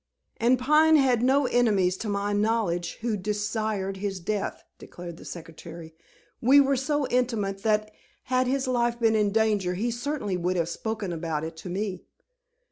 "And Pine had no enemies to my knowledge who desired his death," declared the secretary. "We were so intimate that had his life been in danger he certainly would have spoken about it to me."